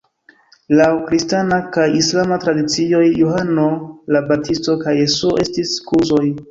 Laŭ kristana kaj islama tradicioj Johano la Baptisto kaj Jesuo estis kuzoj.